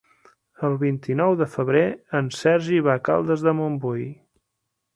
El vint-i-nou de febrer en Sergi va a Caldes de Montbui.